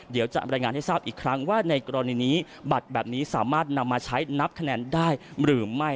จะบรรยายงานให้ทราบอีกครั้งว่าในกรณีนี้บัตรแบบนี้สามารถนำมาใช้นับคะแนนได้หรือไม่